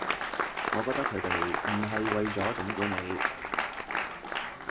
我覺得佢哋唔係為咗整蠱你